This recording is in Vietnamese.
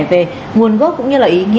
về nguồn gốc cũng như là ý nghĩa